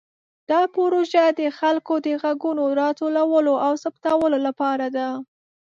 دا پروژه د خلکو د غږونو راټولولو او ثبتولو لپاره ده.